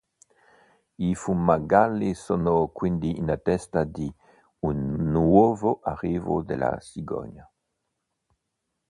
I Fumagalli sono quindi in attesa di un nuovo arrivo della cicogna.